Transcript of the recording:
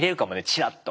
チラッと。